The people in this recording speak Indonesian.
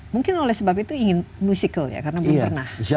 mungkin oleh sebab itu ingin musikal ya karena belum pernah